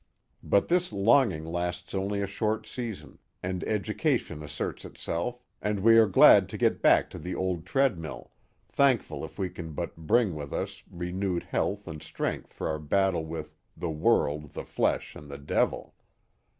But this longing lasts only a short season, and education asserts itself and we are glad to get back to the old treadmill, thankful if we can but bring with us re newed health and strength for our battle with the world, the flesh, and the devil."